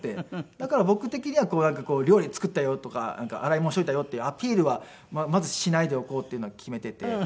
だから僕的には料理作ったよとか洗い物しておいたよっていうアピールはまずしないでおこうっていうのは決めていて。